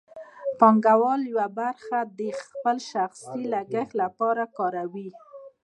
پانګوال یوه برخه د خپل شخصي لګښت لپاره کاروي